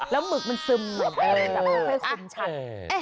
แล้วหมึกมันซึมเพื่อซึมชัด